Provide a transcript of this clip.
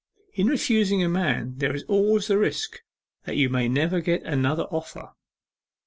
In refusing a man there is always the risk that you may never get another offer.